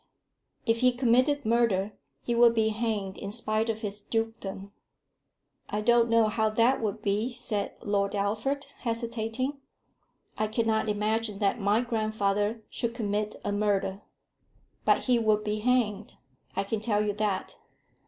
"If he committed murder, he would be hanged in spite of his dukedom." "I don't know how that would be," said Lord Alfred, hesitating. "I cannot imagine that my grandfather should commit a murder." "But he would be hanged; I can tell you that.